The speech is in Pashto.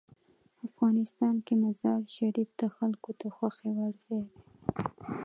افغانستان کې مزارشریف د خلکو د خوښې وړ ځای دی.